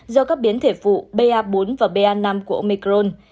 do các biến thể phụ ba bốn và ba năm của omicron